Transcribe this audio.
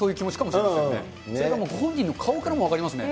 それがご本人の顔からも分かりますね。